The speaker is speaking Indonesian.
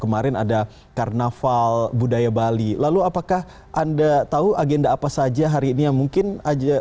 kemarin ada karnaval budaya bali lalu apakah anda tahu agenda apa saja hari ini yang mungkin aja